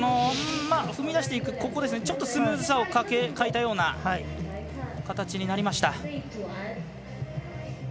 踏み出していくところでちょっとスムーズさを欠いたような形になりました。